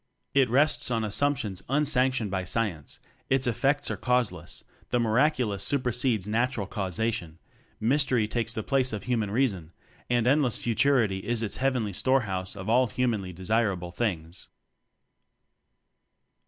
It rests on assumptions un sanctioned by science; its effects are causeless; the miraculous supersedes natural causation; mystery takes the place of human reason; and endless futurity is its heavenly storehouse of all humanly desirable things.